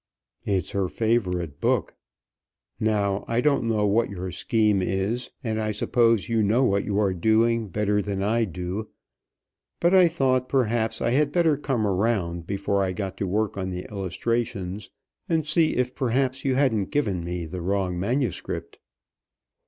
"It's her favorite book. Now I don't know what your scheme is, and I suppose you know what you are doing better than I do; but I thought perhaps I had better come around before I got to work on the illustrations and see if, perhaps, you hadn't given me the wrong manuscript."